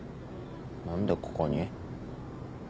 何でここに。